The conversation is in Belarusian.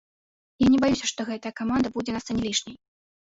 Я не баюся, што гэтая каманда будзе на сцэне лішняй.